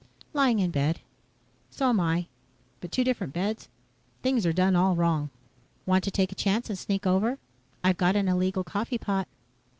"Lying in bed." "So am I. But two different beds. Things are done all wrong." "Want to take a chance and sneak over? I've got an illegal coffee pot."